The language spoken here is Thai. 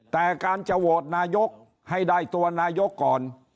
แต่การจะโหวตนายกให้ได้ตัวนายกก่อน